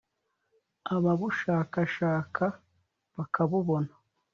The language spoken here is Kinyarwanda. ababushakashaka bakabubona